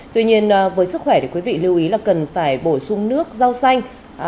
tuy nhiên với sức khỏe thì quý vị lưu ý là cần phải bổ sung nước rau xanh